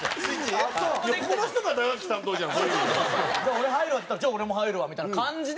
「俺入るわ」って言ったら「じゃあ俺も入るわ」みたいな感じで。